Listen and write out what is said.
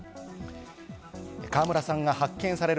川村さんは発見される